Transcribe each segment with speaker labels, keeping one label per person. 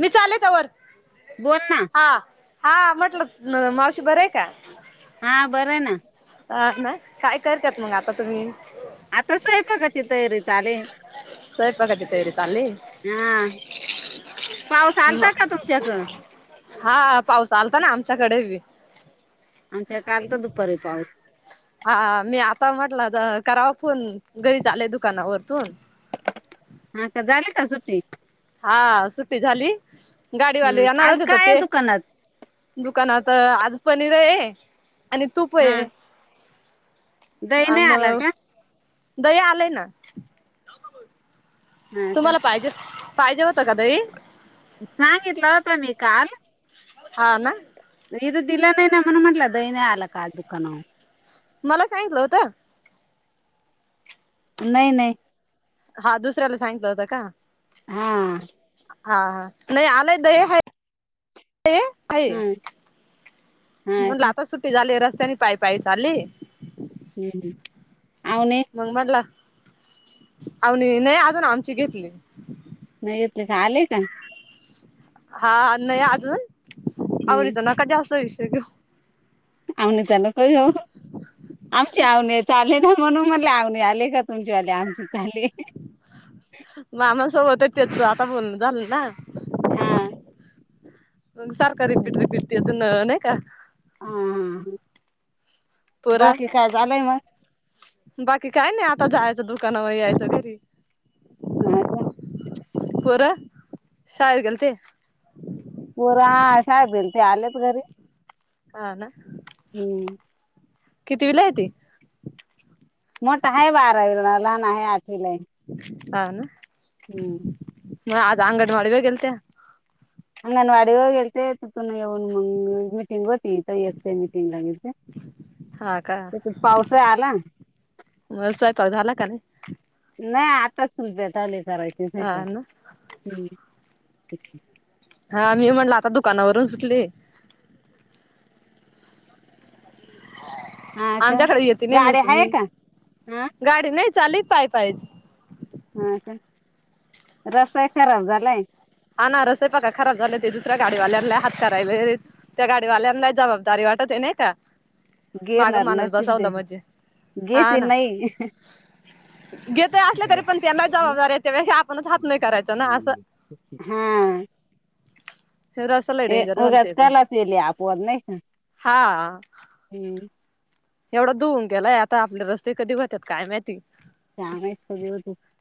Speaker 1: मी चाले त्यावर.
Speaker 2: बोल ना.
Speaker 1: हा हा म्हटलं मावशी बर आहे का.
Speaker 2: हां बरं ना.
Speaker 1: अ ना काय करतात मग आता तुम्ही.
Speaker 2: आताच आहेका कची तयारी चाले.
Speaker 1: स्वयंपाकाची तयारी चालली
Speaker 2: हा पाऊस आलता का तुमच्याक?
Speaker 1: हा पाऊस आल का ना आमच्याकडे बी.
Speaker 2: आमच्या काल तर दुपारी पाऊस.
Speaker 1: हा मी आता म्हटलं करावा फोन घरी आले दुकानावरतून.
Speaker 2: हा का झाले का सु्टी.
Speaker 1: हा सुट्टी झाली गाडीवाले
Speaker 2: हं. आज
Speaker 1: येणारच होेत
Speaker 2: काय आहे
Speaker 1: ते..
Speaker 2: दुकानात
Speaker 1: दुकानात आज पनीर आहे आणि तूप
Speaker 2: हा
Speaker 1: आहे.
Speaker 2: दही
Speaker 1: आ
Speaker 2: नाही
Speaker 1: मग
Speaker 2: आला का
Speaker 1: दया आलाय ना.
Speaker 2: हा का
Speaker 1: तुम्हाला पाहिजे पाहिजे होतं का दई.
Speaker 2: सांगितलं होता मी काल.
Speaker 1: हा ना.
Speaker 2: इथं दिला नाही ना म्हण म्हटलं द नाही आला का दुकान.
Speaker 1: मला सांगलं होत.
Speaker 2: नाही नाही.
Speaker 1: हा दुसऱ्याला सांगलं होता का.
Speaker 2: हा
Speaker 1: हा हा नाही आलाय द ह.
Speaker 2: हा. का
Speaker 1: म्हणला आता सुट्टी झाली रस्त्याने पाय पाय चालले.
Speaker 2: हम् ह आ न.
Speaker 1: मग म्हटला आ नाही अजून आमची घेतली.
Speaker 2: नाही येतले तर आलेय का.
Speaker 1: हा नाही अजून
Speaker 2: हं.
Speaker 1: आवडीच नका जास्त हो शको.
Speaker 2: आ न त्याला कय हो. आमची आवने चाले ना म्हणून मला आवने आले का तुमचे आले आमचे चाले.
Speaker 1: मामासोबत आहे त्याच आता बोल झालं ना.
Speaker 2: हा.
Speaker 1: अ सारखा रिपीट रिपीट तेच नाही का.
Speaker 2: हा बाकी
Speaker 1: पोरं
Speaker 2: काय झालंय मग.
Speaker 1: बाकी काय नाही आता जायचं दुकानावर यायचं घरी.
Speaker 2: हा का.
Speaker 1: पोर शाळेत गेल्ते.
Speaker 2: पोर हा शाळेत गेल्ते आलेत घरी.
Speaker 1: ह ना.
Speaker 2: हम्म.
Speaker 1: कितविला ये ती.
Speaker 2: मोठा आहे बारावीला लहान आहे आठवीला.
Speaker 1: अ ना
Speaker 2: हम्म
Speaker 1: अज अंगड म व्या गेलतय
Speaker 2: अंगनवाडी होेलते तथून येवन मंग मीटिंग होती. एकट मिीटिंग ला गेते
Speaker 1: हा का
Speaker 2: तर पाऊस आला.
Speaker 1: मग स्वयंपाक झाला की नाही.
Speaker 2: नाही आताच सु आले करायचे नाही प
Speaker 1: हा ना
Speaker 2: ह्
Speaker 1: हा मी म्हणला आता दुकानावरून सुटले
Speaker 2: हा का
Speaker 1: आमच्याकडे येती नाही मग
Speaker 2: गाडी आहे
Speaker 1: तुम्ही
Speaker 2: का हा
Speaker 1: गाडी नाही चाली पाय पायच
Speaker 2: हा का रस्ता ही खराब झालाय
Speaker 1: हा ना रस्ते बघा खराब झाले ते दुसऱ्याावाल्याला हात करायला लय त्या गाडीवाल्यांना जबाबदारी वाटत ते नाही का माग
Speaker 2: घेणार
Speaker 1: माणूस
Speaker 2: नसतील ते
Speaker 1: बसावला म्हजे हा
Speaker 2: घेते
Speaker 1: ना
Speaker 2: नाही
Speaker 1: घेत असले तरी पण त्यांना जबाबदारी आहे त्या व आपणच हात नाही करायच ना असं
Speaker 2: हम्म
Speaker 1: हे रस्ता लय
Speaker 2: हे
Speaker 1: डेंजर झालं
Speaker 2: उगाच
Speaker 1: त्याच
Speaker 2: कलाच येले आपण नाही का हम्
Speaker 1: एवढं धुऊन गेलाये आता आपले रस्ते कधी होत्यात काय माहिती
Speaker 2: चमवत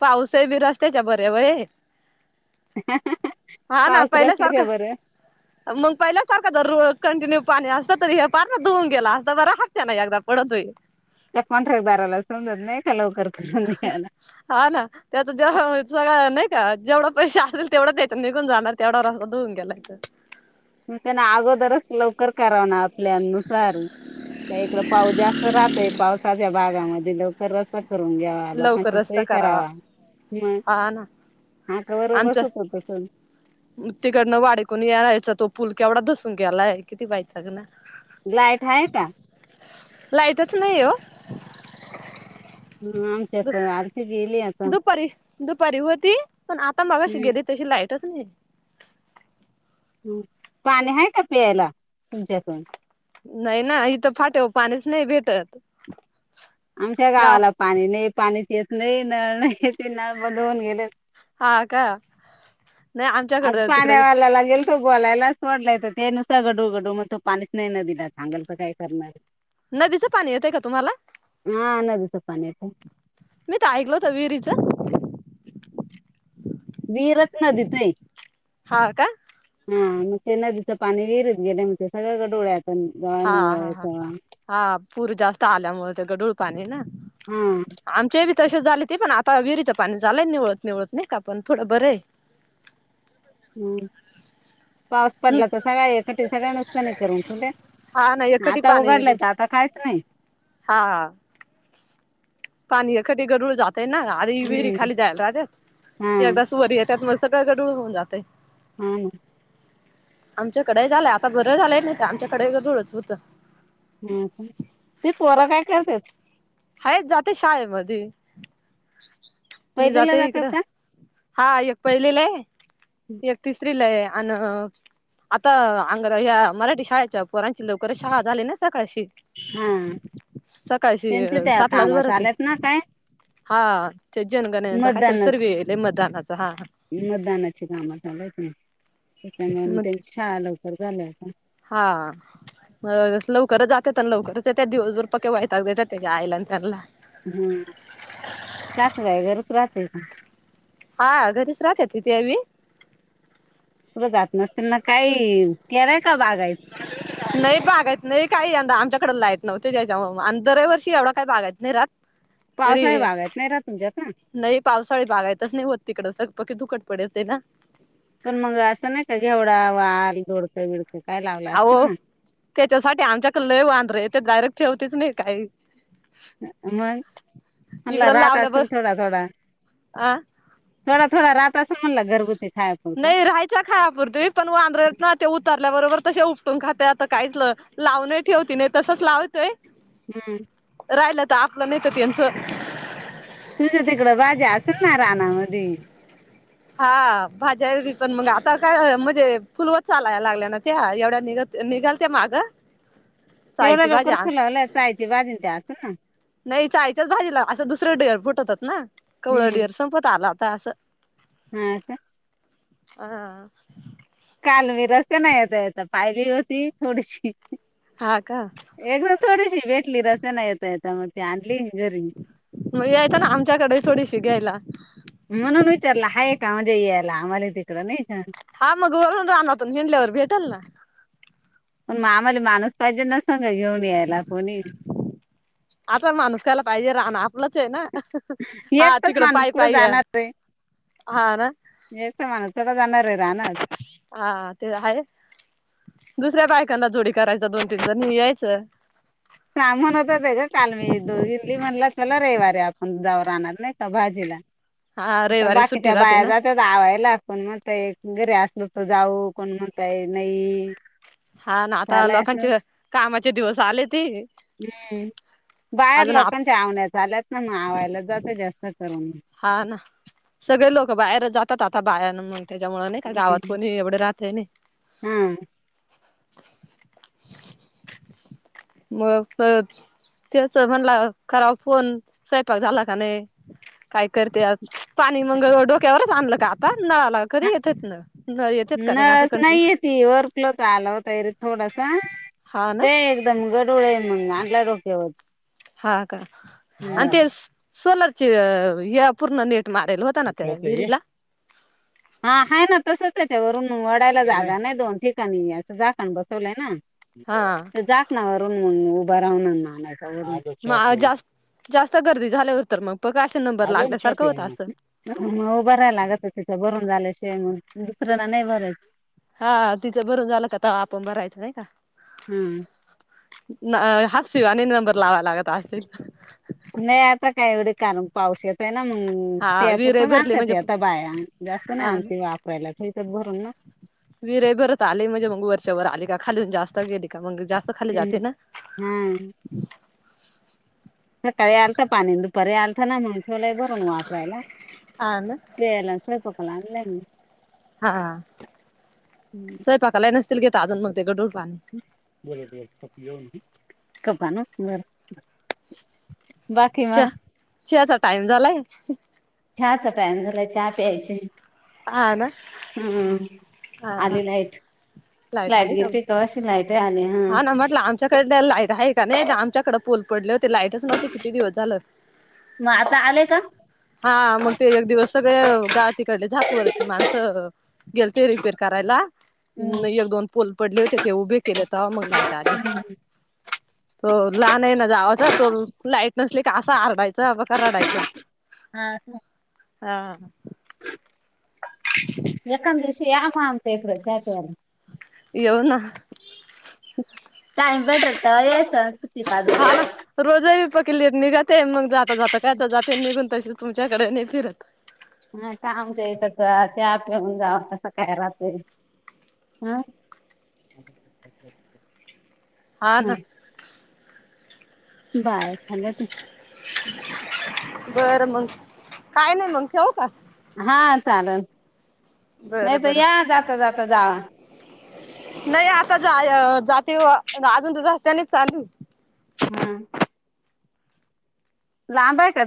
Speaker 1: पाऊस आहे बी रस्त्याच्या बर्या वय हा ना
Speaker 2: पावसाळाच
Speaker 1: पहिल्या
Speaker 2: त्याच्या
Speaker 1: सारखं
Speaker 2: बरं
Speaker 1: मग पहिल्यासारखं जर कंटिन्यू पाणी असत तर हे पार धुऊन गेला असता बर हा त्यान एकदा पडतोय
Speaker 2: त्या कॉन्ट्रॅक्ट दाराला समजत नाही का लवकर करून द्यायला.
Speaker 1: आला त्याच जेव्हा सगळं नाही का जेवढा पैश असेल तेवढं त्याच्या निघून जाणार तेवढा रस्ता धुऊन गेलायचं.
Speaker 2: मग त्यांना अगोदरच लवकर कराव ना आपल्या नुसार का इकड पाऊस जास्त राहतोय पावसाच्या भागामध्ये लवकर रस्ता करून घ्यावा
Speaker 1: लवकर
Speaker 2: लोकांची
Speaker 1: रस्ता
Speaker 2: सोय करावा मग
Speaker 1: हा ना
Speaker 2: कव्हर
Speaker 1: आमच्या
Speaker 2: बसतो तस
Speaker 1: तिकडनं वाडेकुनी यायचा तो पूल के एवढा दसून गेलाये किती वैताग ना
Speaker 2: ग्लाईट आहे का
Speaker 1: लाईटच नाही ये ओ
Speaker 2: ह
Speaker 1: द
Speaker 2: आमच्यात आलती गेली आता
Speaker 1: दुपारी दुपारी होती पण आता मगशी
Speaker 2: हम्म
Speaker 1: गेली तशी लाईट तसा नाही
Speaker 2: पाणी आहे का पियायला तुमच्यातून
Speaker 1: नाही ना इथं फाटे पाणीच नाही भेटत
Speaker 2: आमच्या
Speaker 1: गाव
Speaker 2: गावाला पाणी नाही पाणीच येत नाही नळ नाही ते नळ बंद होऊन गेले
Speaker 1: हा का? नाही
Speaker 2: आज
Speaker 1: आमच्याकडे तिकडे
Speaker 2: पाण्यावालालागेल. गोलायलाच वाडलाय तर ते नुस गडू गडू मग तो पाणीच नाही न दिला चांगल तर काय करणार [inaudible]
Speaker 1: नदीचं पाणी येत ये का तुम्हाला.
Speaker 2: हा नदी चा पाणी येताहेत
Speaker 1: मी तर ऐकल होत विहिरीचं.
Speaker 2: वीरच नदीत हे.
Speaker 1: हा का?
Speaker 2: हा मग ते नदीचं पाणी विहिरत गेले मग ते सगळ्या डोळ्यात गवा
Speaker 1: हा
Speaker 2: निवळ
Speaker 1: हा हा
Speaker 2: तेव्हा
Speaker 1: हा पूर जास्त आल्यामुळे ते गडूळ पाणी ना
Speaker 2: हा
Speaker 1: आमचे बी तसे झाले ते पण आ विहिरीचं पाणी झालंय निवळत निवळत नाही का पण थोडं बरं आहे
Speaker 2: हम् पाऊस पडला तर
Speaker 1: हम्म
Speaker 2: सगळ एकट सगळ्या नसताना करून तोट्या.
Speaker 1: ना
Speaker 2: हा
Speaker 1: एकखटी
Speaker 2: आता उघडलाय तर आता कायच नाही.
Speaker 1: हा हा पाणी एखटी गडूळ जातय ना आधी विहिरी
Speaker 2: हम्म.
Speaker 1: खाली जायला
Speaker 2: हा
Speaker 1: राहते एकदा सुवरी येतात मस्. सगळं गडूळ होऊन जाते
Speaker 2: हा
Speaker 1: आमच्याकडे झालंय आता घर झालंय नाही आमच्याकडे जवडंच होतं
Speaker 2: अ ते त्रा काय करते
Speaker 1: आहेच जाते शाळेमध्येध मी
Speaker 2: पहिलीला
Speaker 1: जाते
Speaker 2: जातात
Speaker 1: इकडं
Speaker 2: का
Speaker 1: हा एक पहिलेला आहे एक तिसरी लय आणि आता अंग ह्या मराठी शाळेच्या पोरांची लवकरच शाळा झाली ना सकाळशी
Speaker 2: हा
Speaker 1: सकाळशी
Speaker 2: त्यांच त्या
Speaker 1: सातलाच
Speaker 2: कामा
Speaker 1: भरती
Speaker 2: चाल्यात ना काय
Speaker 1: हा ते जनगणचा कायतरी
Speaker 2: मतदानात
Speaker 1: सर्व येलेय मैदानाचा हा ह
Speaker 2: मतदानाची काम झालत ना त्याच्यामुळे
Speaker 1: मग
Speaker 2: त्यांची शाळा लवकर झाल्या होता
Speaker 1: हा अ लवकरच जाते तर लवकरच येत दिवसभर पक्क वयता देतात त्याच्या आईला त्यांना
Speaker 2: हम्म तास व आहे घरच राहते का
Speaker 1: हा घरीच राहत तिथी आम्ही
Speaker 2: जात नस ना काही तरय का बागा
Speaker 1: हम् नाही बागायत नाही काही यंदा आमच्याकडें लायत नव्हते त्याच्या दर्या वर्षी एवढं काय बागायत नाही राात ह
Speaker 2: पावसाळी भागायत नाही रा तुमच्यात
Speaker 1: नाही पावसाळी बागायच नाही होत तिकडं सग पक्की दुकट पडेच ना
Speaker 2: पण मग असं नाही का घ एवढा वाल गोडकं बडकं काय लावलं असेल
Speaker 1: अहो
Speaker 2: ना
Speaker 1: त्याच्यासाठी आमच्याकडे लय वांद्रे आहे ते डायरेक्ट ठेवतीच नाही काही
Speaker 2: मग म्हणला
Speaker 1: इकडं
Speaker 2: राहात
Speaker 1: लावल्यावर
Speaker 2: असेल थोडा थोडा
Speaker 1: अ
Speaker 2: थोडा थोडा राता समनला घरगुती खा
Speaker 1: नाही राहायच खायापूर्वी पण वांद्रेत ना ते उतारल्याबरोबर तसे उपटून खाते आता काहीच ल लावून ठेवती नाही तसंच लावतोय
Speaker 2: हम्म
Speaker 1: राहिलं तर आपलं नाहीत त्यांचं
Speaker 2: तुझ्या तिकडं वाज्या असेल ना रानामध्येध
Speaker 1: हा भाज्यारी पण मग आता काय म्हणजे फुलवत चालायला लागल्या ना त्या एवढ्या निघत निघाल त्या मागं
Speaker 2: एवढा लवकर फुलावला चायची बाजिं त्या्या असं ना
Speaker 1: नाही चाळीच्याच भाजी ला असं दुसरं डेअर फुटत होात ना कवळं
Speaker 2: हम्म
Speaker 1: ढिअर संपत आला होता असं
Speaker 2: हा का
Speaker 1: ह
Speaker 2: काल मी रस्ते नाही येत येत पाहिली होती थोडीशी
Speaker 1: हा का
Speaker 2: एकदा थोडीशी भेटली रस्त्यानं येता येता मग ती आणली मी घरी
Speaker 1: मग यायचा ना आमच्याकडे थोडीशी घ्यायला
Speaker 2: म्हणून विचारला हायेका म्हणजे यायला आम्हाला तिकडं नाही का
Speaker 1: हा मग वरून रानातून हेंडल्यावर भेटेल ना
Speaker 2: पण आम्हाला माणूस पाहिजे न सग घेऊन यायला कोणी
Speaker 1: आता माणूस कायला पाहिजे रान आपलंच ये ना हा
Speaker 2: एकटाच
Speaker 1: तिकडं
Speaker 2: माणूस
Speaker 1: पायी
Speaker 2: कुट
Speaker 1: पायी याल
Speaker 2: जाणार आहे
Speaker 1: हा ना
Speaker 2: हेच माण थोडा जाणार आहे राहणार
Speaker 1: हा ते आहे दुसऱ्या बायकांना जोडी करायच दोन तीन जण यायचं
Speaker 2: सामान होत ते ग काल मी दोघ इली म्हणला चला रविवारी आपण जावरहणार नाही का भाजीला
Speaker 1: हा
Speaker 2: आता
Speaker 1: रविवारी सुट्टी
Speaker 2: बाकीच्या
Speaker 1: राहते
Speaker 2: बाया
Speaker 1: ना.
Speaker 2: जात आवायला कोण म्हणतय घरी असल तर जाऊ कोण म्हणतय नाही
Speaker 1: हा ना आता
Speaker 2: चालाय असं
Speaker 1: लोकांचे कामाचे दिवस आले ते
Speaker 2: हम्म बाहेर
Speaker 1: अजून आप
Speaker 2: लोकांच्या आवण्या आल्यात ना मग आवायला जातं जास्त करून
Speaker 1: हा ना सगळे लोक बाहेर जातात आता बाहेर मुळे त्याच्यामुळे नाही का गावात
Speaker 2: हम्म
Speaker 1: कोणी एवढ राहतय नाही [unintelligible] [inaudible]
Speaker 2: हा
Speaker 1: मग त्याच म्हणला कराव फोन स्वयंपाक झाला का नाही काय करत्यात पाणी मग डोक्यावरनच आणलं का आता नळाला कधी येत तिथन
Speaker 2: न नाहीय ती वर्कल तर आला होताय रे थोडासा
Speaker 1: हा ना
Speaker 2: ते एकदम गढूळ ये मग आणला डोक्यावर
Speaker 1: हा का आणि
Speaker 2: हम्म.
Speaker 1: ते सोलरचे या पूर्ण नेट मारेल हो
Speaker 2: कुट होत ये
Speaker 1: [unintelligible]
Speaker 2: हा हा ना तस त्याच्यावरून वडायला जागा नाही दोन ठिकाणी असं झाकण बसवलंय ना.
Speaker 1: हा
Speaker 2: ते झाकणावरून उभं राहून आणायचा वरून
Speaker 1: मग जास् जास्त गर्दी झाल्यावर तर मग बघ असं नंबर लागल्यासारखं होता असंल
Speaker 2: मग उभ राहायला लागत तिथं भरून झाल्याशिवाय मग दुसऱ्याला नाही भरायचं.
Speaker 1: हा तिचं भरून झाला का तर आपण भरायचं नाही का
Speaker 2: हम्म
Speaker 1: नंबर लावायला लागत असतील
Speaker 2: नाय आता काय एवढ काण पाऊस येत आहे ना मग
Speaker 1: हा
Speaker 2: त्या
Speaker 1: विहिरही
Speaker 2: पूरतच
Speaker 1: भरली
Speaker 2: आणतात
Speaker 1: म्हणजे
Speaker 2: आता बाया जास्त
Speaker 1: हा
Speaker 2: नाही आनती ठेत भरून ना
Speaker 1: विरय भरत आले म्हणजे मग वरच्यावर आले का खालीलून जास्त गेली का मग जास्त खाली जात
Speaker 2: हम्म.
Speaker 1: ना
Speaker 2: हा सकाळी आलत पाणी दुपारी आलता ना मग ठेवलय भरून वापरायला.
Speaker 1: हा ना
Speaker 2: प्याला न स्वयंपाकला आणले मी
Speaker 1: हा स्वयंपाकाला नसत.
Speaker 2: [unintelligible] बरोबर येऊन कप आणू बर बाकी
Speaker 1: चां
Speaker 2: मग
Speaker 1: चहाचा टाइम झालाय
Speaker 2: चहाचा टाईम झाला चहा प्यायचे
Speaker 1: हा ना
Speaker 2: हम्म
Speaker 1: हा
Speaker 2: आलेला आहेत लाईट
Speaker 1: आली का
Speaker 2: गेलीती कवाशी लाईट आली हा
Speaker 1: तुमच्याकडे लाईट आहे का नाही आमच्याकडे पोल पडले होते लाईटच नव्हती किती दिवस झालं.
Speaker 2: मग आता आलेय का
Speaker 1: हा मग ते एक दिवस सगळे गाव तिकडले झा पुरचे माणसं गेल ते रिपेर करायला एक दोन पोल पडले होते ते उभे केलं तर मग लाह आली तो लहान आहे ना जावाचा तो लाईट नसली कासा आरडायचा ब का रडायचं
Speaker 2: हा
Speaker 1: हा ह
Speaker 2: यकांद विषय या का अत इपड चाते्याला
Speaker 1: येऊ ना
Speaker 2: टाइम भेटल तेव्हा यायचे सुट्टी काढून
Speaker 1: हा ना रोजही पकली निघते मग जाता जाता कायाच जाते निघून तशी तुमच्याकडे नाही फिरत
Speaker 2: हा का आमच्या येत चहा पिऊन जाव तसं काय राहतोय. आ
Speaker 1: हा ना
Speaker 2: बाय झालं ते
Speaker 1: बरं मग काय नाही मंग ठेऊ का?
Speaker 2: हा चालेल नाही
Speaker 1: बरं
Speaker 2: तर या
Speaker 1: बरं
Speaker 2: जात जात जा.
Speaker 1: नाही आता जा जाती अजून रस्त्यानेच चालू
Speaker 2: हा लांब आहे काद